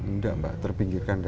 tidak mbak terpinggirkan